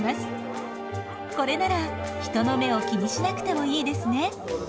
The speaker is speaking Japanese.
これなら人の目を気にしなくてもいいですね。